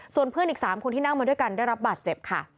ส่วนเพื่อนอีก๓คนที่นั่งมาด้วยกันได้รับบาดเจ็บค่ะ